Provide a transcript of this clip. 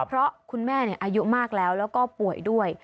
เพราะคุณแม่อายุมากแล้วแล้วก็ป่วยด้วย